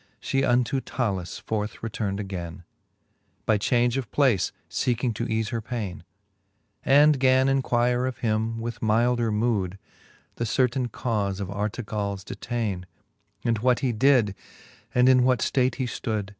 She unto Talus forth return'd againe, By change of place feeking to eafe her paine ; And gan enquire of him, with mylder mood, The certaine cau(e of Artegalls detaine; And what he did, and in what ftate he ftood.